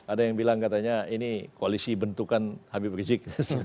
ada yang bilang katanya ini koalisi bentukan habib rizik